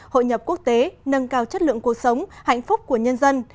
hội nhập quốc tế nâng cao chất lượng cuộc sống hạnh phúc của nhân dân